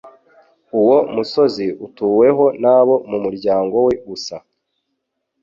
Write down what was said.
uwo musozi utuweho nabo mumuryango we gusa